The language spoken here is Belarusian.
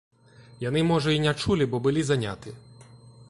Яны можа і не чулі, бо былі заняты.